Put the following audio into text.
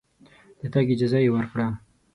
د تګ اجازه یې ورکړه.